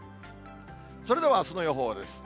それではあすの予報です。